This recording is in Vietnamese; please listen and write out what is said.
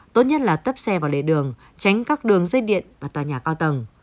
tốt nhất là tấp xe vào lề đường tránh các đường dây điện và tòa nhà cao tầng